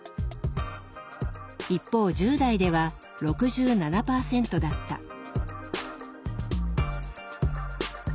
一方１０代では６７％だった。